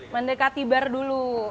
mendekati bar dulu